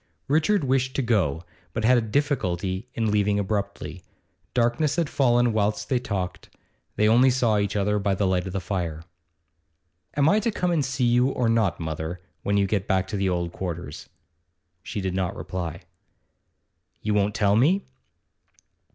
Richard wished to go, but had a difficulty in leaving abruptly. Darkness had fallen whilst they talked; they only saw each other by the light of the fire. 'Am I to come and see you or not, mother, when you get back to the old quarters?' She did not reply. 'You won't tell me?